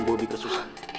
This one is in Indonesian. bobi ke susan